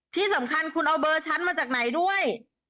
ที่สำคัญคุณเอาเบอร์ฉันมาจากไหนด้วย